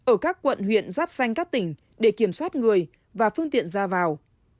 ở các quận huyện giáp xanh các tỉnh để kiểm soát người và phương tiện ra vào